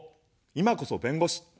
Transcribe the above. いまこそ弁護士。